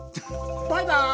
バイバイ！